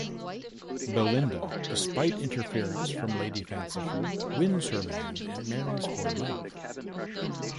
Belinda, despite interference from Lady Fanciful, wins her man and marries for love.